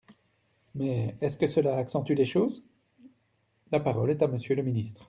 Mais est-ce que cela accentue les choses ? La parole est à Monsieur le ministre.